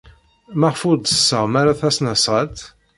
Maɣef ur d-tessaɣem ara tasnasɣalt?